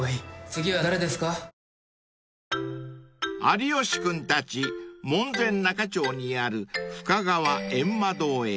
［有吉君たち門前仲町にある深川ゑんま堂へ］